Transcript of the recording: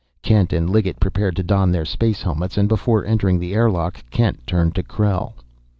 Kent and Liggett prepared to don their space helmets, and before entering the airlock, Kent turned to Krell.